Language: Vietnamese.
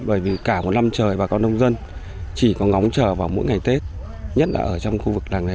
bởi vì cả một năm trời bà con nông dân chỉ có ngóng chờ vào mỗi ngày tết nhất là ở trong khu vực làng nghề